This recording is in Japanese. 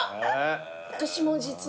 私も実は。